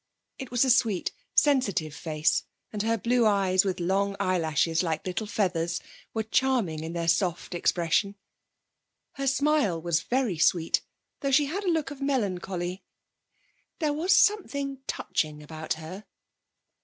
It was a sweet, sensitive face, and her blue eyes, with long eyelashes like little feathers, were charming in their soft expression. Her smile was very sweet, though she had a look of melancholy. There was something touching about her.